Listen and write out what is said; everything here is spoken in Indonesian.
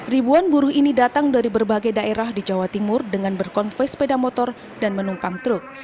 ribuan buruh ini datang dari berbagai daerah di jawa timur dengan berkonvoy sepeda motor dan menumpang truk